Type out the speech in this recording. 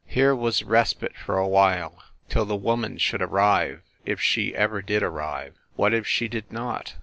Here was respite for a while till the woman should arrive if she ever did arrive. What if she did not